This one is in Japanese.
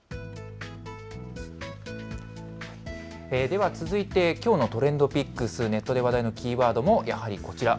では続いてきょうのＴｒｅｎｄＰｉｃｋｓネットで話題のキーワードもやはりこちら。